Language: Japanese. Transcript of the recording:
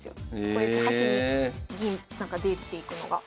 こうやって端に銀出ていくのが。